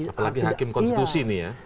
apalagi hakim konstitusi ini ya